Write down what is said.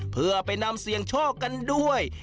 เพื่อไปนำเสี่ยงโชคกันด้วย